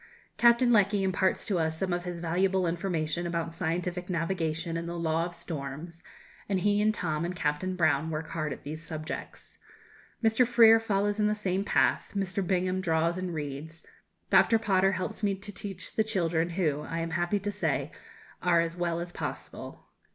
Captain Lecky imparts to us some of his valuable information about scientific navigation and the law of storms, and he and Tom and Captain Brown work hard at these subjects. Mr. Freer follows in the same path; Mr. Bingham draws and reads; Dr. Potter helps me to teach the children, who, I am happy to say, are as well as possible.